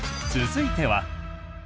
続いては。